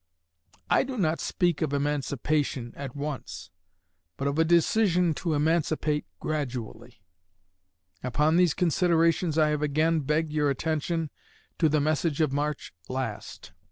I do not speak of emancipation at once, but of a decision to emancipate gradually.... Upon these considerations I have again begged your attention to the message of March last.